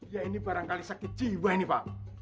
ya ini barangkali sakit cibah pak